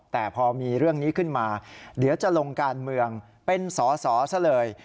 แต่พอมีเรื่องนี้ขึ้นมาเดี๋ยวจะลงการเมืองเป็นสอสอซะเลย